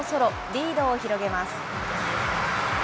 リードを広げます。